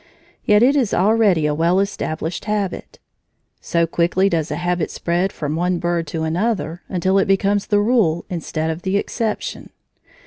Yet it is already a well established habit. So quickly does a habit spread from one bird to another, until it becomes the rule instead of the exception!